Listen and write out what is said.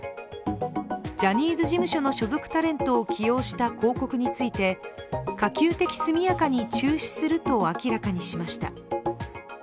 ジャニーズ事務所の所属タレントを起用した広告について可及的速やかに中止すると明らかにしました。